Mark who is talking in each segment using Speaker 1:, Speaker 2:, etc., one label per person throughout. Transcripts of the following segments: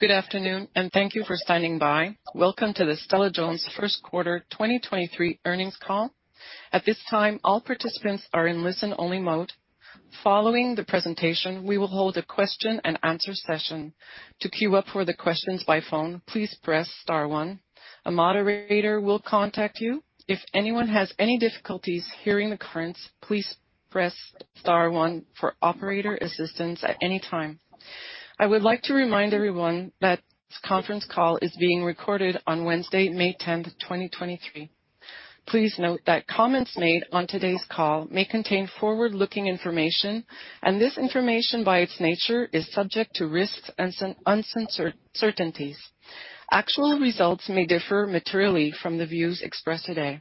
Speaker 1: Good afternoon and thank you for standing by. Welcome to the Stella-Jones first quarter 2023 earnings call. At this time, all participants are in listen-only mode. Following the presentation, we will hold a question and answer session. To queue up for the questions by phone, please press star one. A moderator will contact you. If anyone has any difficulties hearing the currents, please press star one for operator assistance at any time. I would like to remind everyone that this conference call is being recorded on Wednesday, May 10th, 2023. Please note that comments made on today's call may contain forward-looking information. This information, by its nature, is subject to risks and uncertainties. Actual results may differ materially from the views expressed today.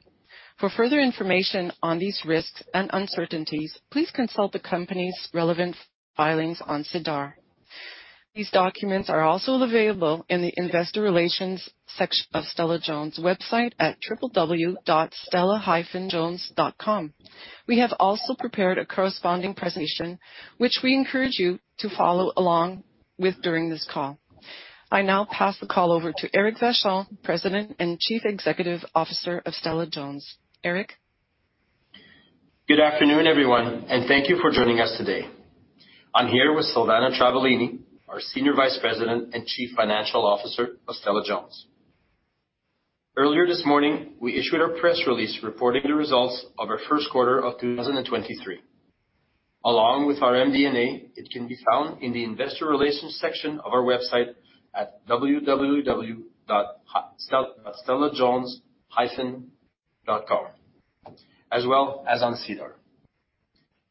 Speaker 1: For further information on these risks and uncertainties, please consult the company's relevant filings on SEDAR. These documents are also available in the investor relations section of Stella-Jones' website at www.stella-jones.com. We have also prepared a corresponding presentation which we encourage you to follow along with during this call. I now pass the call over to Eric Vachon, President and Chief Executive Officer of Stella-Jones. Eric?
Speaker 2: Good afternoon, everyone, thank you for joining us today. I'm here with Silvana Travaglini, our Senior Vice President and Chief Financial Officer of Stella-Jones. Earlier this morning, we issued our press release reporting the results of our first quarter of 2023. Along with our MD&A, it can be found in the investor relations section of our website at www.stella-jones.com, as well as on SEDAR.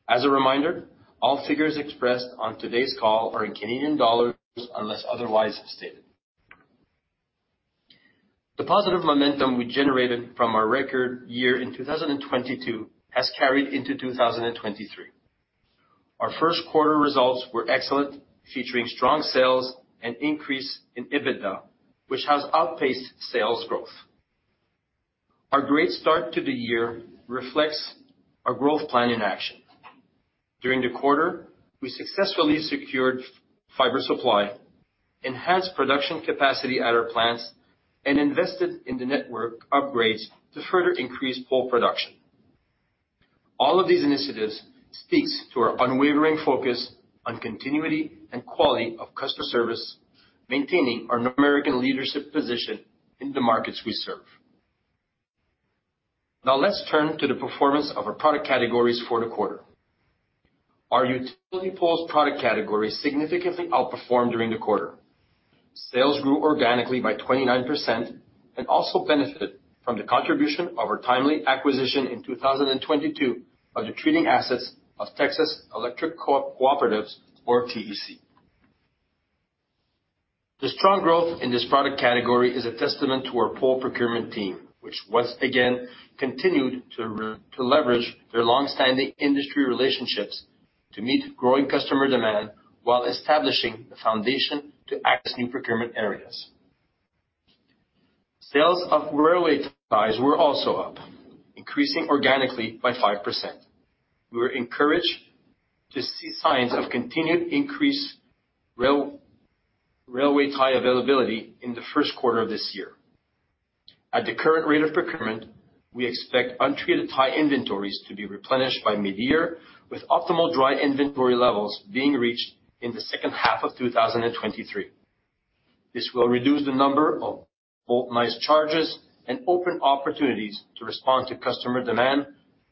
Speaker 2: As a reminder, all figures expressed on today's call are in Canadian dollars unless otherwise stated. The positive momentum we generated from our record year in 2022 has carried into 2023. Our first quarter results were excellent, featuring strong sales and increase in EBITDA, which has outpaced sales growth. Our great start to the year reflects our growth plan in action. During the quarter, we successfully secured fiber supply, enhanced production capacity at our plants, invested in the network upgrades to further increase pole production. All of these initiatives speaks to our unwavering focus on continuity and quality of customer service, maintaining our North American leadership position in the markets we serve. Let's turn to the performance of our product categories for the quarter. Our utility poles product category significantly outperformed during the quarter. Sales grew organically by 29% and also benefited from the contribution of our timely acquisition in 2022 of the treating assets of Texas Electric Cooperatives or TEC. The strong growth in this product category is a testament to our pole procurement team, which once again continued to leverage their long-standing industry relationships to meet growing customer demand while establishing the foundation to access new procurement areas. Sales of railway ties were also up, increasing organically by 5%. We were encouraged to see signs of continued increase rail, railway tie availability in the first quarter of this year. At the current rate of procurement, we expect untreated tie inventories to be replenished by mid-year with optimal dry inventory levels being reached in the second half of 2023. This will reduce the number of Boultonizing charges and open opportunities to respond to customer demand,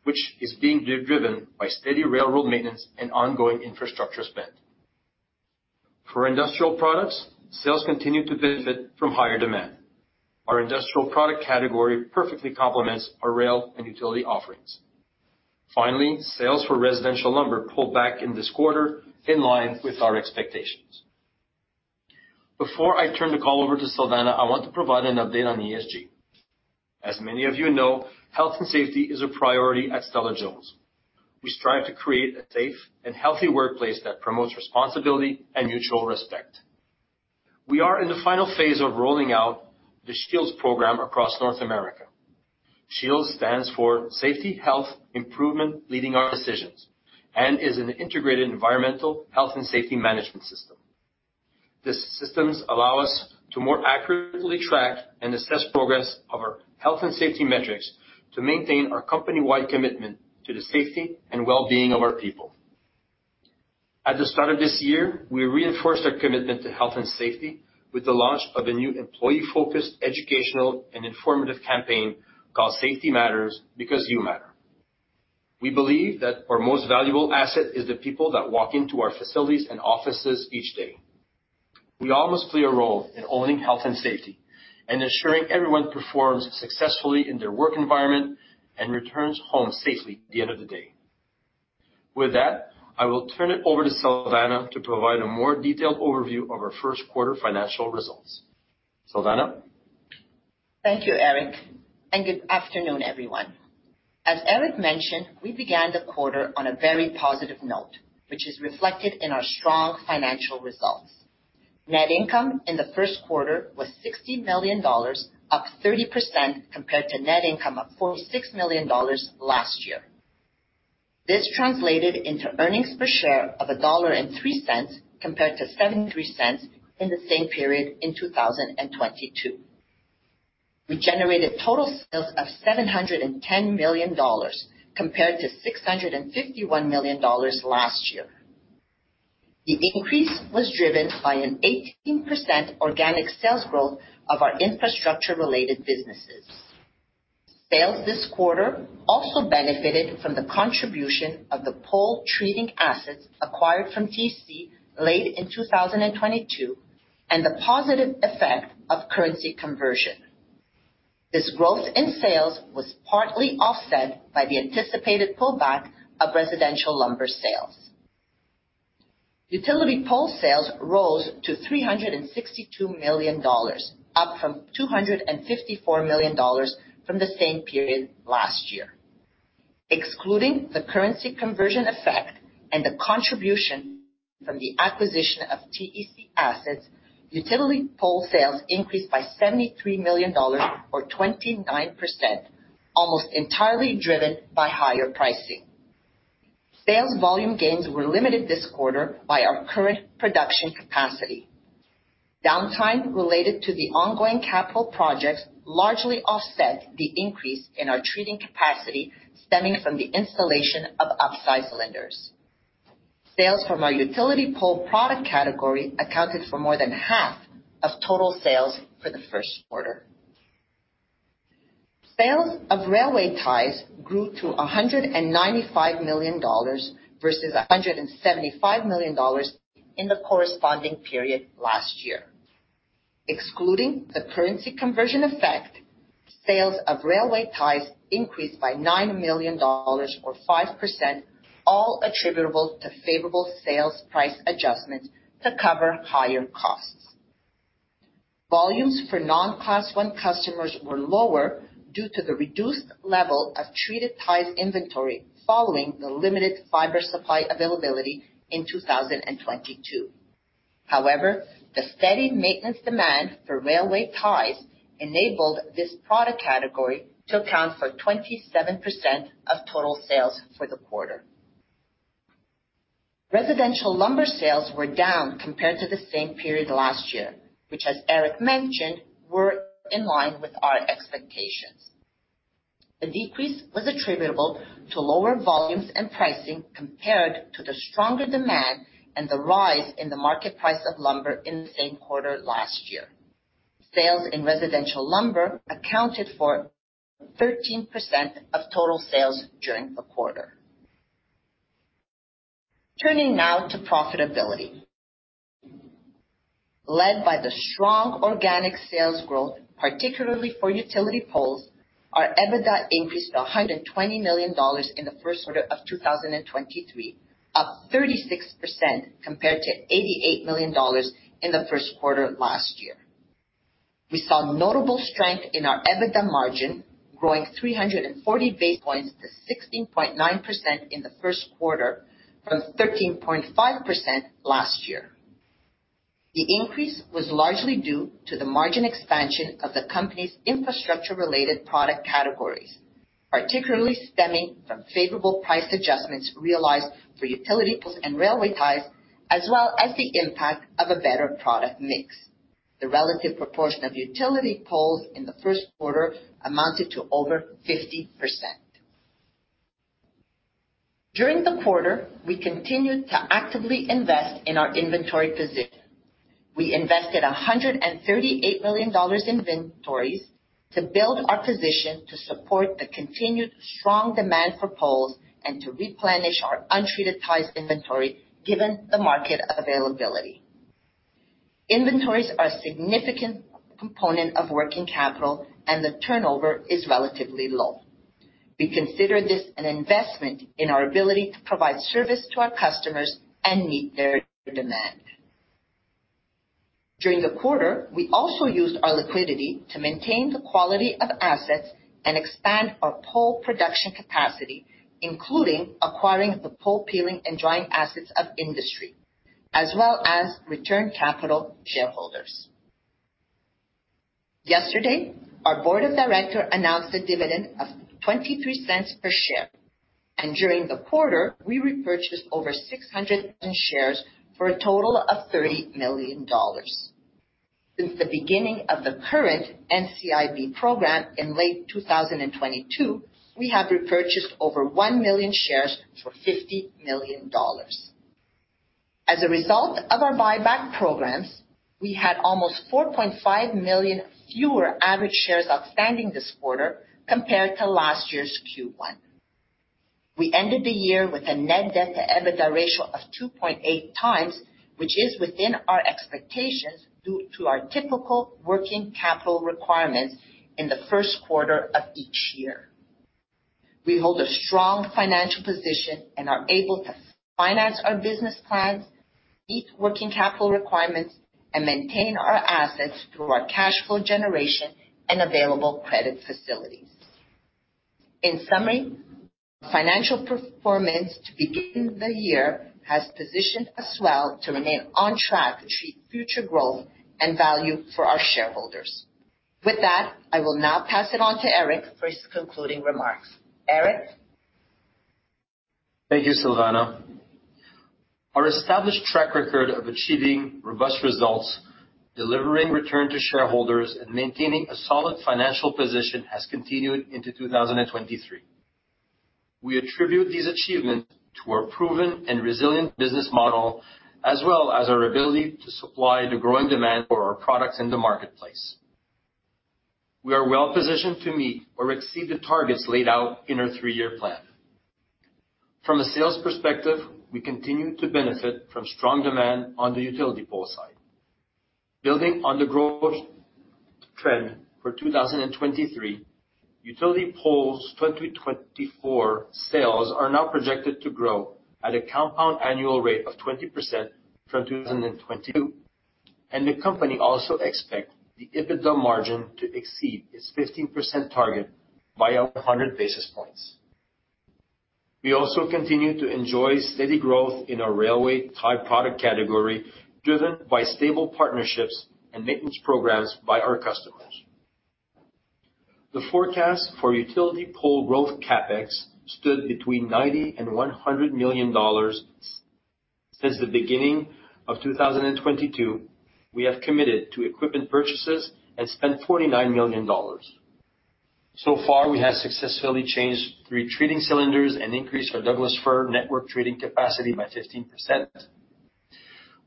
Speaker 2: which is being driven by steady railroad maintenance and ongoing infrastructure spend. Industrial products, sales continued to benefit from higher demand. Our industrial product category perfectly complements our rail and utility offerings. Sales for residential lumber pulled back in this quarter in line with our expectations. Before I turn the call over to Silvana, I want to provide an update on ESG. As many of you know, health and safety is a priority at Stella-Jones. We strive to create a safe and healthy workplace that promotes responsibility and mutual respect. We are in the final phase of rolling out the SHIELDS program across North America. SHIELDS stands for Safety Health Improvement Leading Our Decisions, and is an integrated environmental health and safety management system. These systems allow us to more accurately track and assess progress of our health and safety metrics to maintain our company-wide commitment to the safety and well-being of our people. At the start of this year, we reinforced our commitment to health and safety with the launch of a new employee-focused, educational and informative campaign called Safety Matters Because You Matter. We believe that our most valuable asset is the people that walk into our facilities and offices each day. We all must play a role in owning health and safety and ensuring everyone performs successfully in their work environment and returns home safely at the end of the day. With that, I will turn it over to Silvana to provide a more detailed overview of our first quarter financial results. Silvana?
Speaker 3: Thank you, Eric. Good afternoon, everyone. As Eric mentioned, we began the quarter on a very positive note, which is reflected in our strong financial results. Net income in the first quarter was 60 million dollars, up 30% compared to net income of 46 million dollars last year. This translated into earnings per share of 1.03 dollar compared to 0.73 in the same period in 2022. We generated total sales of 710 million dollars compared to 651 million dollars last year. The increase was driven by an 18% organic sales growth of our infrastructure related businesses. Sales this quarter also benefited from the contribution of the pole treating assets acquired from TEC late in 2022, and the positive effect of currency conversion. This growth in sales was partly offset by the anticipated pullback of residential lumber sales. Utility pole sales rose to $362 million, up from $254 million from the same period last year. Excluding the currency conversion effect and the contribution from the acquisition of TEC assets, utility pole sales increased by $73 million or 29%, almost entirely driven by higher pricing. Sales volume gains were limited this quarter by our current production capacity. Downtime related to the ongoing capital projects largely offset the increase in our treating capacity stemming from the installation of upsize cylinders. Sales from our utility pole product category accounted for more than half of total sales for the first quarter. Sales of railway ties grew to $195 million versus $175 million in the corresponding period last year. Excluding the currency conversion effect, sales of railway ties increased by 9 million dollars or 5%, all attributable to favorable sales price adjustments to cover higher costs. Volumes for non-Class I customers were lower due to the reduced level of treated ties inventory following the limited fiber supply availability in 2022. The steady maintenance demand for railway ties enabled this product category to account for 27% of total sales for the quarter. Residential lumber sales were down compared to the same period last year, which as Eric mentioned, were in line with our expectations. The decrease was attributable to lower volumes and pricing compared to the stronger demand and the rise in the market price of lumber in the same quarter last year. Sales in residential lumber accounted for 13% of total sales during the quarter. Turning now to profitability. Led by the strong organic sales growth, particularly for utility poles, our EBITDA increased to 120 million dollars in the first quarter of 2023, up 36% compared to 88 million dollars in the first quarter last year. We saw notable strength in our EBITDA margin, growing 340 basis points to 16.9% in the first quarter from 13.5% last year. The increase was largely due to the margin expansion of the company's infrastructure related product categories, particularly stemming from favorable price adjustments realized for utility poles and railway ties, as well as the impact of a better product mix. The relative proportion of utility poles in the first quarter amounted to over 50%. During the quarter, we continued to actively invest in our inventory position. We invested 138 million dollars in inventories to build our position to support the continued strong demand for poles and to replenish our untreated ties inventory, given the market availability. Inventories are a significant component of working capital, and the turnover is relatively low. We consider this an investment in our ability to provide service to our customers and meet their demand. During the quarter, we also used our liquidity to maintain the quality of assets and expand our pole production capacity, including acquiring the pole peeling and drying assets of Industries Poles and Pilings, as well as return capital to shareholders. Yesterday, our board of director announced a dividend of 0.23 per share, and during the quarter, we repurchased over 600 million shares for a total of 30 million dollars. Since the beginning of the current NCIB program in late 2022, we have repurchased over 1 million shares for 50 million dollars. As a result of our buyback programs, we had almost 4.5 million fewer average shares outstanding this quarter compared to last year's Q1. We ended the year with a net debt to EBITDA ratio of 2.8 times, which is within our expectations due to our typical working capital requirements in the first quarter of each year. We hold a strong financial position and are able to finance our business plans, meet working capital requirements, and maintain our assets through our cash flow generation and available credit facilities. In summary, financial performance to begin the year has positioned us well to remain on track to achieve future growth and value for our shareholders. With that, I will now pass it on to Eric for his concluding remarks. Eric?
Speaker 2: Thank you, Silvana. Our established track record of achieving robust results, delivering return to shareholders, and maintaining a solid financial position has continued into 2023. We attribute these achievements to our proven and resilient business model, as well as our ability to supply the growing demand for our products in the marketplace. We are well-positioned to meet or exceed the targets laid out in our three-year plan. From a sales perspective, we continue to benefit from strong demand on the utility pole side. Building on the growth trend for 2023, utility poles 2024 sales are now projected to grow at a compound annual rate of 20% from 2022, and the company also expects the EBITDA margin to exceed its 15% target by 100 basis points. We also continue to enjoy steady growth in our railway tie product category, driven by stable partnerships and maintenance programs by our customers. The forecast for utility pole growth CapEx stood between $90 million and $100 million. Since the beginning of 2022, we have committed to equipment purchases and spent $49 million. So far, we have successfully changed three treating cylinders and increased our Douglas fir network treating capacity by 15%.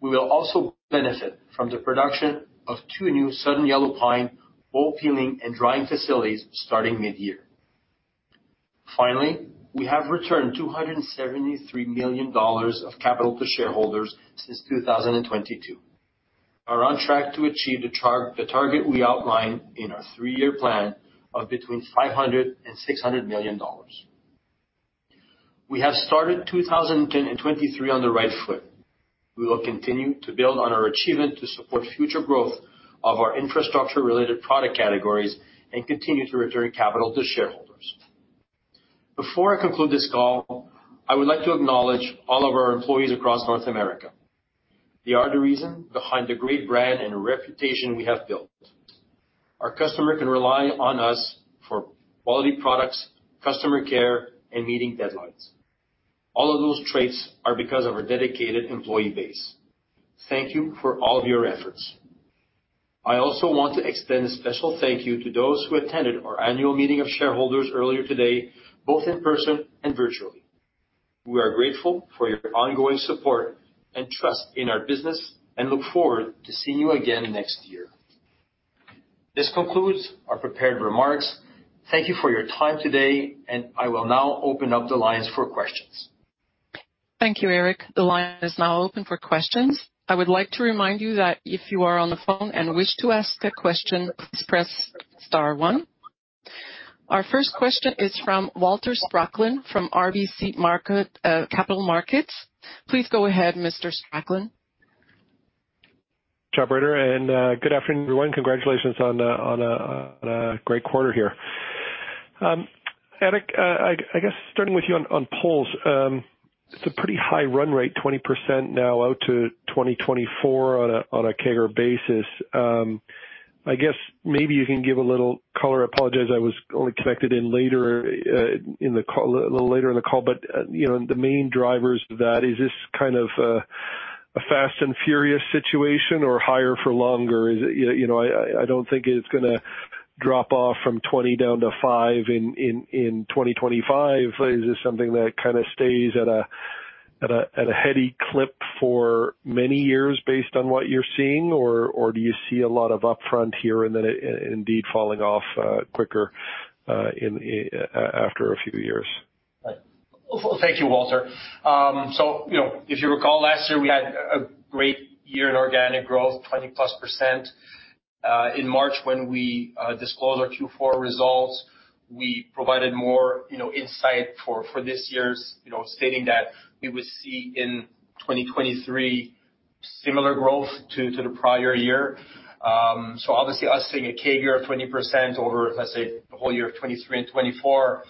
Speaker 2: We will also benefit from the production of two new Southern Yellow Pine pole peeling and drying facilities starting mid-year. We have returned $273 million of capital to shareholders since 2022. We are on track to achieve the target we outlined in our three-year plan of between $500 million and $600 million. We have started 2023 on the right foot. We will continue to build on our achievement to support future growth of our infrastructure-related product categories and continue to return capital to shareholders. Before I conclude this call, I would like to acknowledge all of our employees across North America. They are the reason behind the great brand and reputation we have built. Our customer can rely on us for quality products, customer care, and meeting deadlines. All of those traits are because of our dedicated employee base. Thank you for all of your efforts. I also want to extend a special thank you to those who attended our annual meeting of shareholders earlier today, both in person and virtually. We are grateful for your ongoing support and trust in our business and look forward to seeing you again next year. This concludes our prepared remarks. Thank you for your time today, and I will now open up the lines for questions.
Speaker 1: Thank you, Eric. The line is now open for questions. I would like to remind you that if you are on the phone and wish to ask a question, please press star one. Our first question is from Walter Spracklin from RBC Capital Markets. Please go ahead, Mr. Spracklin.
Speaker 4: Good afternoon, everyone. Congratulations on a great quarter here. Eric, I guess starting with you on poles. It's a pretty high run rate, 20% now out to 2024 on a CAGR basis. I guess maybe you can give a little color. I apologize, I was only connected in later in the call, a little later in the call, but, you know, the main drivers of that, is this kind of a fast and furious situation or higher for longer? Is it? You know, I don't think it's gonna drop off from 20 down to five in 2025. Is this something that kinda stays at a heady clip for many years based on what you're seeing? Or do you see a lot of upfront here and then it indeed falling off, quicker, in, after a few years?
Speaker 2: Thank you, Walter. You know, if you recall, last year, we had a great year in organic growth, 20%+. In March, when we disclosed our Q4 results, we provided more, you know, insight for this year's, you know, stating that we would see in 2023 similar growth to the prior year. Obviously, us seeing a CAGR of 20% over, let's say, the whole year of 2023 and 2024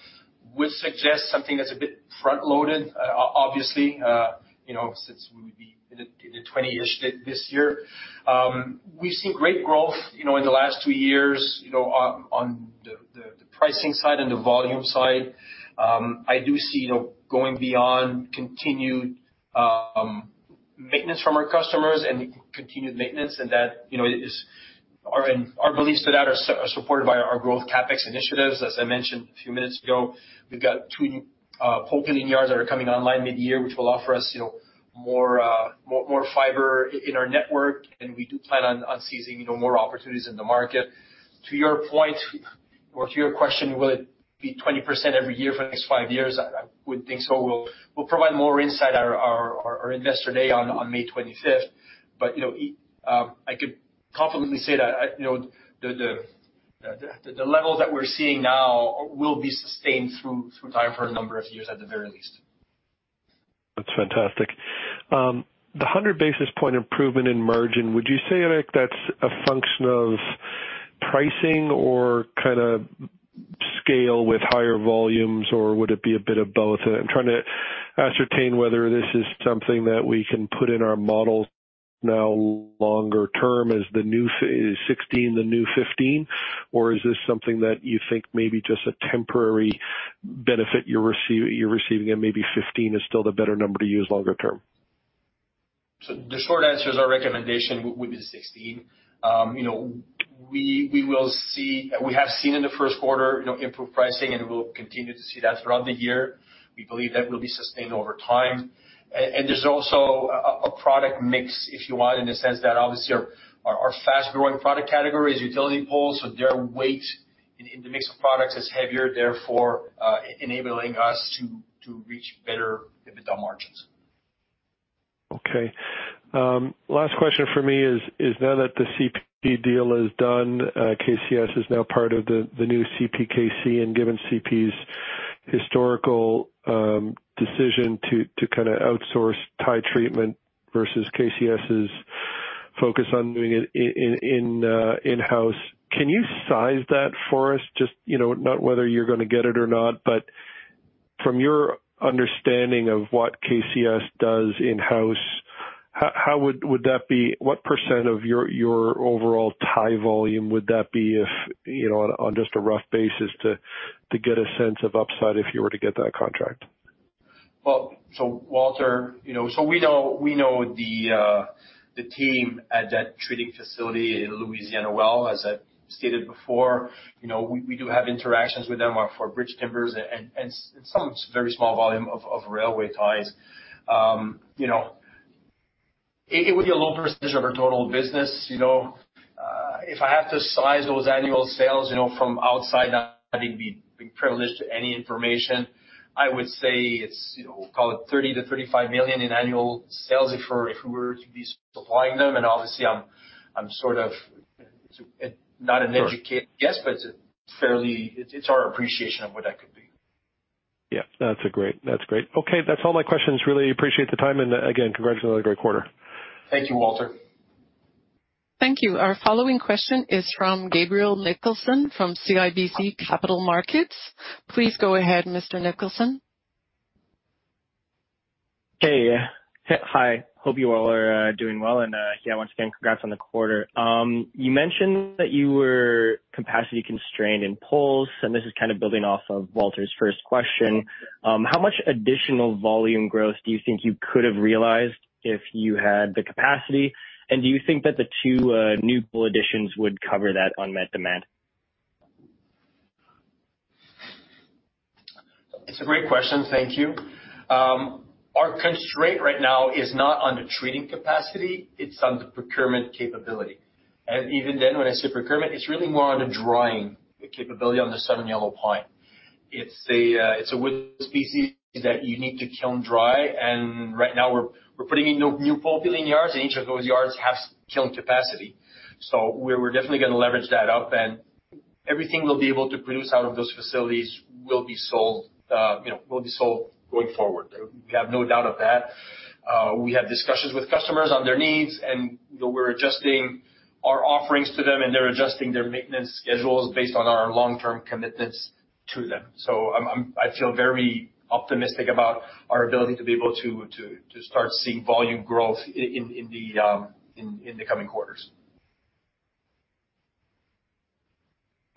Speaker 2: would suggest something that's a bit front-loaded, obviously, you know, since we would be in the 20-ish this year. We've seen great growth, you know, in the last two years, you know, on the pricing side and the volume side. I do see, you know, going beyond continued maintenance from our customers and continued maintenance and that, you know, is our beliefs that are supported by our growth CapEx initiatives. As I mentioned a few minutes ago, we've got two pole peeling yards that are coming online mid-year, which will offer us, you know, more fiber in our network, and we do plan on seizing, you know, more opportunities in the market. To your point or to your question, will it be 20% every year for the next five years? I wouldn't think so. We'll provide more insight at our Investor Day on May 25th. you know, I could confidently say that, you know, the levels that we're seeing now will be sustained through time for a number of years at the very least.
Speaker 4: That's fantastic. The 100 basis point improvement in margin, would you say, Eric, that's a function of pricing or kinda scale with higher volumes or would it be a bit of both? I'm trying to ascertain whether this is something that we can put in our models now longer term as is 16 the new 15? Or is this something that you think may be just a temporary benefit you're receiving, and maybe 15 is still the better number to use longer term?
Speaker 2: The short answer is our recommendation would be the 16. You know, we will see, we have seen in the first quarter, you know, improved pricing, and we'll continue to see that throughout the year. We believe that will be sustained over time. There's also a product mix, if you want, in the sense that obviously our fast-growing product category is utility poles, so their weight in the mix of products is heavier, therefore, enabling us to reach better EBITDA margins.
Speaker 4: Last question for me is now that the CP deal is done, KCS is now part of the new CPKC and given CP's historical, decision to kinda outsource tie treatment versus KCS' focus on doing it in-house, can you size that for us? Just, you know, not whether you're gonna get it or not, but from your understanding of what KCS does in-house, how would that be what percent of your overall tie volume would that be if, you know, on just a rough basis to get a sense of upside if you were to get that contract?
Speaker 2: Walter, you know, we know the team at that treating facility in Louisiana well. As I stated before, you know, we do have interactions with them for bridge timbers and some very small volume of railway ties. You know, it would be a low percentage of our total business, you know. If I have to size those annual sales, you know, from outside, not having the privilege to any information, I would say it's, you know, call it $30 million-$35 million in annual sales if we were to be supplying them, and obviously I'm sort of, it's not an educated guess.
Speaker 4: Sure.
Speaker 2: It's our appreciation of what that could be.
Speaker 4: Yeah. That's great. Okay. That's all my questions. Really appreciate the time, and, again, congratulations on a great quarter.
Speaker 2: Thank you, Walter.
Speaker 1: Thank you. Our following question is from Gabriel Nicholson from CIBC Capital Markets. Please go ahead, Mr. Nicholson.
Speaker 5: Hey. Hi. Hope you all are doing well, and yeah, once again, congrats on the quarter. You mentioned that you were capacity constrained in poles, and this is kind of building off of Walter's first question. How much additional volume growth do you think you could have realized if you had the capacity? Do you think that the two new pole additions would cover that unmet demand?
Speaker 2: It's a great question. Thank you. Our constraint right now is not on the treating capacity, it's on the procurement capability. Even then, when I say procurement, it's really more on the drying capability on the Southern Yellow Pine. It's a, it's a wood species that you need to kiln dry, and right now we're putting in new pole building yards, and each of those yards has kiln capacity. We're definitely gonna leverage that up, and everything we'll be able to produce out of those facilities will be sold, you know, will be sold going forward. We have no doubt of that. We have discussions with customers on their needs and, you know, we're adjusting our offerings to them and they're adjusting their maintenance schedules based on our long-term commitments to them. I feel very optimistic about our ability to be able to start seeing volume growth in the coming quarters.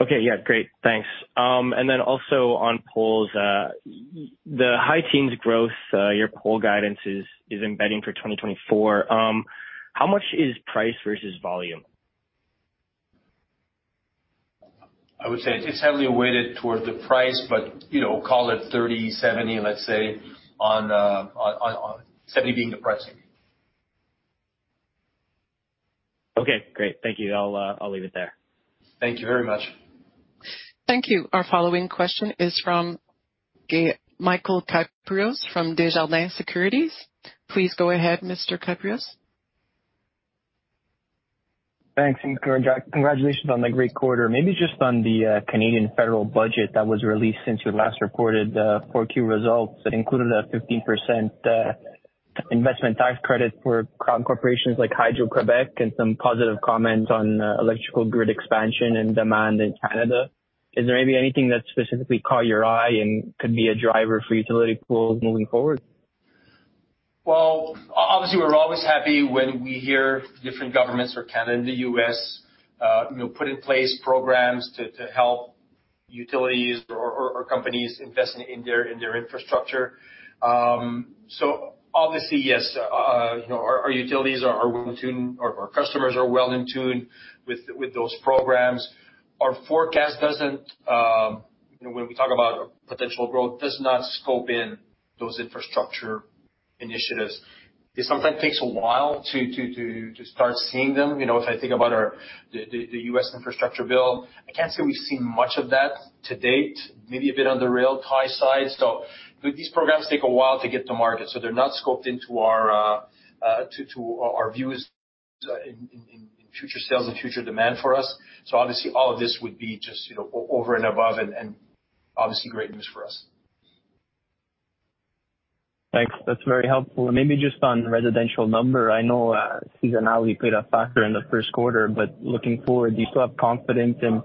Speaker 5: Okay. Yeah. Great. Thanks. Also on poles, the high teens growth, your pole guidance is embedding for 2024. How much is price versus volume?
Speaker 2: I would say it's heavily weighted towards the price but, you know, call it 30/70, let's say, on. 70 being the pricing.
Speaker 5: Okay, great. Thank you. I'll leave it there.
Speaker 2: Thank you very much.
Speaker 1: Thank you. Our following question is from Michael Kypreos from Desjardins Securities. Please go ahead, Mr. Kypreos.
Speaker 6: Thanks. Congratulations on the great quarter. Maybe just on the Canadian federal budget that was released since you last reported, 4 Q results that included a 15% investment tax credit for crown corporations like Hydro-Québec and some positive comments on electrical grid expansion and demand in Canada. Is there maybe anything that specifically caught your eye and could be a driver for utility poles moving forward?
Speaker 2: Well, obviously, we're always happy when we hear different governments or Canada and the U.S., you know, put in place programs to help utilities or companies invest in their, in their infrastructure. Obviously, yes, you know, our utilities are well in tune or our customers are well in tune with those programs. Our forecast doesn't, you know, when we talk about potential growth, does not scope in those infrastructure initiatives. It sometimes takes a while to start seeing them. You know, if I think about our the U.S. infrastructure bill, I can't say we've seen much of that to date, maybe a bit on the rail tie side. These programs take a while to get to market, so they're not scoped into our views in future sales and future demand for us. Obviously, all of this would be just, you know, over and above and obviously great news for us.
Speaker 6: Thanks. That's very helpful. Maybe just on residential lumber, I know, seasonality played a factor in the first quarter, but looking forward, do you still have confidence in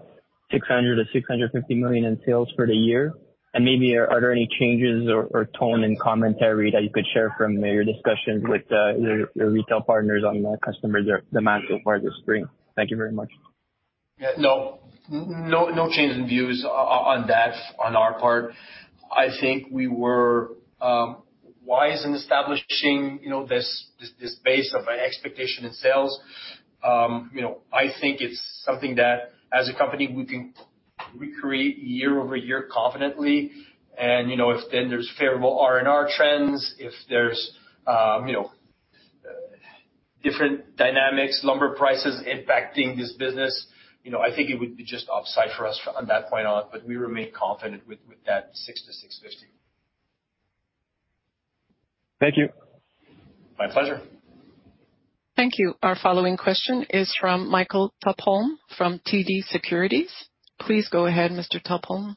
Speaker 6: $600 million-$650 million in sales for the year? Maybe are there any changes or tone in commentary that you could share from your discussions with, your retail partners on the customer demand so far this spring? Thank you very much.
Speaker 2: Yeah. No. No, no change in views on that on our part. I think we were wise in establishing, you know, this base of expectation in sales. You know, I think it's something that, as a company, we can recreate year over year confidently and, you know, if then there's favorable R&R trends, if there's, you know, different dynamics, lumber prices impacting this business, you know, I think it would be just offsite for us on that point on. We remain confident with that $6-$650.
Speaker 6: Thank you.
Speaker 2: My pleasure.
Speaker 1: Thank you. Our following question is from Michael Tupholme from TD Securities. Please go ahead, Mr. Tupholme.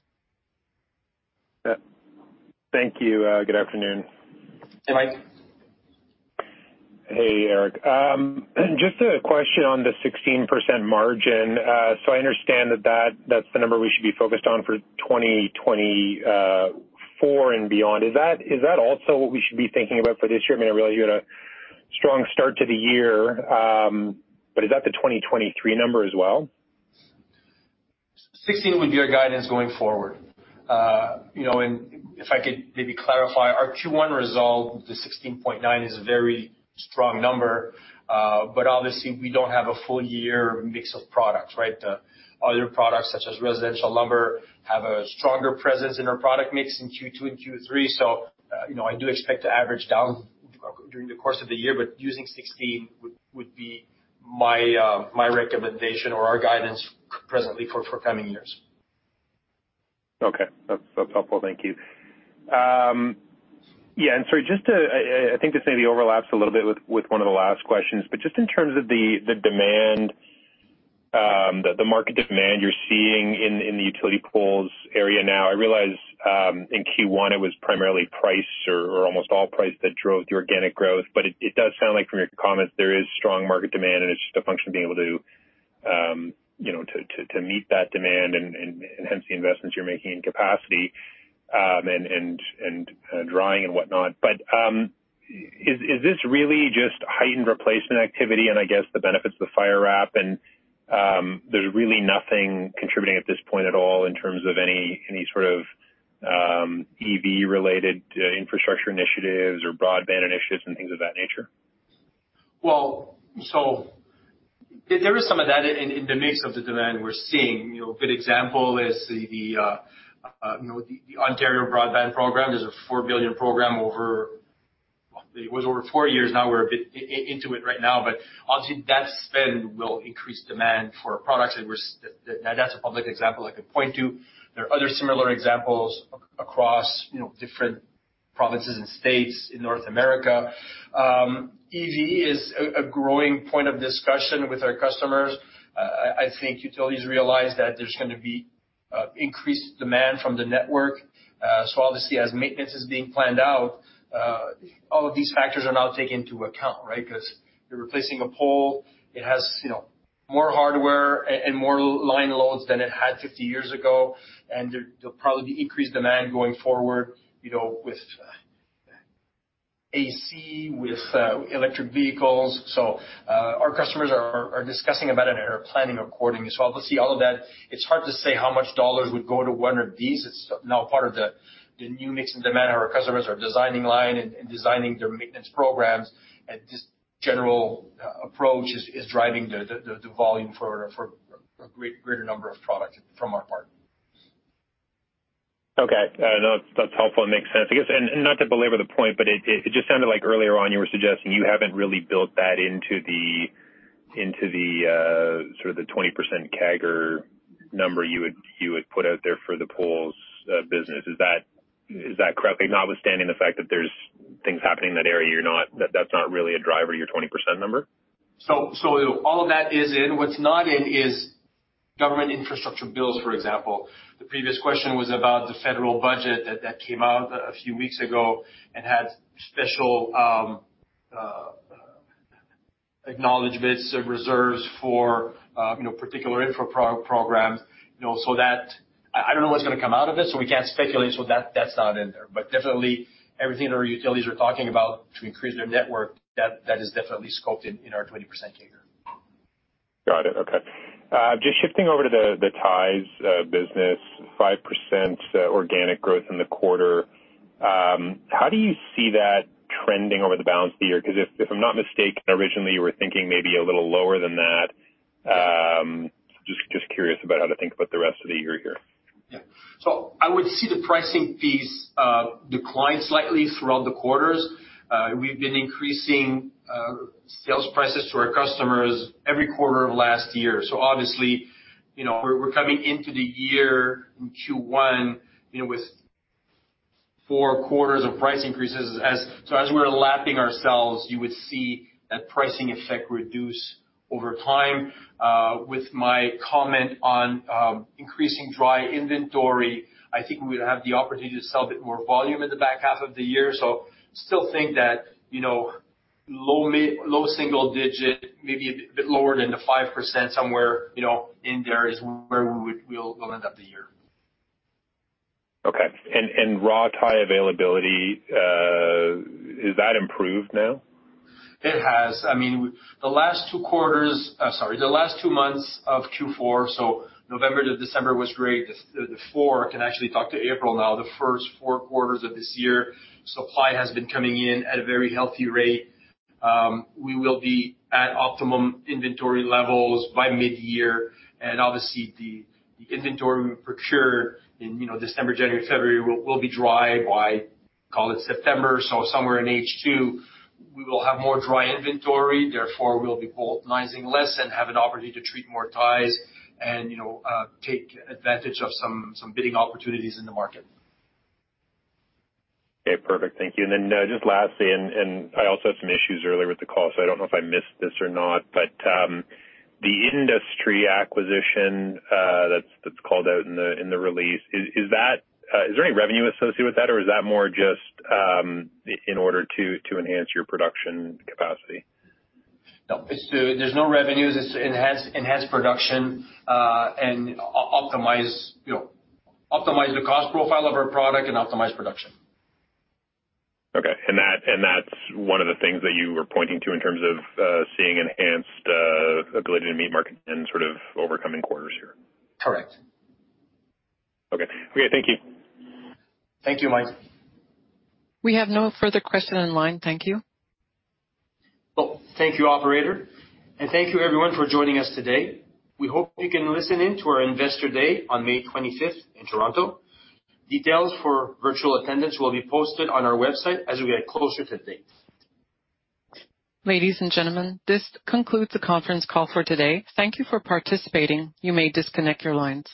Speaker 7: Yeah. Thank you, good afternoon.
Speaker 2: Hey, Mike.
Speaker 7: Eric. Just a question on the 16% margin. I understand that that's the number we should be focused on for 2024 and beyond. Is that, is that also what we should be thinking about for this year? I mean, obviously, you had a strong start to the year, is that the 2023 number as well?
Speaker 2: 16% would be our guidance going forward. You know, if I could maybe clarify, our Q1 result, the 16.9% is a very strong number, but obviously, we don't have a full year mix of products, right? The other products, such as residential lumber, have a stronger presence in our product mix in Q2 and Q3. You know, I do expect to average down during the course of the year, but using 16% would be my recommendation or our guidance presently for coming years.
Speaker 7: Okay. That's helpful. Thank you. Yeah, sorry, just to... I think this maybe overlaps a little bit with one of the last questions, but just in terms of the demand, the market demand you're seeing in the utility poles area now, I realize in Q1, it was primarily price or almost all price that drove the organic growth. It does sound like from your comments, there is strong market demand, and it's just a function of being able to, you know, to meet that demand and hence the investments you're making in capacity, and drying and whatnot. Is this really just heightened replacement activity and I guess the benefits of the Firewrap, and there's really nothing contributing at this point at all in terms of any sort of EV-related infrastructure initiatives or broadband initiatives and things of that nature?
Speaker 2: There is some of that in the mix of the demand we're seeing. You know, a good example is the, you know, the Ontario broadband program. There's a $4 billion program over. It was over four years now. We're a bit into it right now, but obviously, that spend will increase demand for products that we're. That's a public example I could point to. There are other similar examples across, you know, different provinces and states in North America. EV is a growing point of discussion with our customers. I think utilities realize that there's gonna be increased demand from the network. Obviously, as maintenance is being planned out, all of these factors are now taken into account, right? 'Cause you're replacing a pole. It has, you know, more hardware and more line loads than it had 50 years ago, and there'll probably be increased demand going forward, you know, with AC, with electric vehicles. Our customers are discussing about it and are planning accordingly. Obviously, all of that, it's hard to say how much dollars would go to one of these. It's now part of the new mix and demand our customers are designing line and designing their maintenance programs. This general approach is driving the volume for a great-greater number of products from our part.
Speaker 7: Okay. No, that's helpful and makes sense. I guess, not to belabor the point, but it just sounded like earlier on you were suggesting you haven't really built that into the sort of the 20% CAGR number you would put out there for the poles business. Is that, is that correct? Notwithstanding the fact that there's things happening in that area, that that's not really a driver of your 20% number?
Speaker 2: All of that is in. What's not in is government infrastructure bills, for example. The previous question was about the federal budget that came out a few weeks ago and had special acknowledgments of reserves for, you know, particular infra pro-programs, you know. I don't know what's gonna come out of it, so we can't speculate, so that's not in there. Definitely, everything our utilities are talking about to increase their network, that is definitely scoped in our 20% CAGR.
Speaker 7: Got it. Okay. Just shifting over to the ties business, 5% organic growth in the quarter. How do you see that trending over the balance of the year? Because if I'm not mistaken, originally, you were thinking maybe a little lower than that. Just curious about how to think about the rest of the year here.
Speaker 2: I would see the pricing fees decline slightly throughout the quarters. We've been increasing sales prices to our customers every quarter of last year. Obviously, you know, we're coming into the year in Q1, you know, with four quarters of price increases as we're lapping ourselves, you would see that pricing effect reduce over time. With my comment on increasing dry inventory, I think we would have the opportunity to sell a bit more volume in the back half of the year. Still think that, you know, low single digit, maybe a bit lower than the 5% somewhere, you know, in there is where we'll end up the year.
Speaker 7: Okay. Raw tie availability has that improved now?
Speaker 2: It has. I mean, sorry, the last two months of Q4, so November to December was great. The four can actually talk to April now. The first four quarters of this year, supply has been coming in at a very healthy rate. We will be at optimum inventory levels by mid-year. Obviously the inventory we procure in, you know, December, January, February will be dry by, call it September. Somewhere in H2, we will have more dry inventory, therefore we'll be air-seasoning less and have an opportunity to treat more tires and, you know, take advantage of some bidding opportunities in the market.
Speaker 7: Okay, perfect. Thank you. Just lastly, I also had some issues earlier with the call, so I don't know if I missed this or not, but the industry acquisition, that's called out in the release, is there any revenue associated with that, or is that more just in order to enhance your production capacity?
Speaker 2: No. There's no revenues. It's to enhance production, and optimize, you know, optimize the cost profile of our product and optimize production.
Speaker 7: Okay. That's one of the things that you were pointing to in terms of, seeing enhanced, ability to meet market and sort of overcoming quarters here?
Speaker 2: Correct.
Speaker 7: Okay. Okay, thank you.
Speaker 2: Thankyou, Mike.
Speaker 1: We have no further question in line. Thankyou.
Speaker 2: Well, thank you, operator, and thank you everyone for joining us today. We hope you can listen in to our Investor Day on May 25th in Toronto. Details for virtual attendance will be posted on our website as we get closer to the date.
Speaker 1: Ladies and gentlemen, this concludes the conference call for today. Thank you for participating. You may disconnect your lines.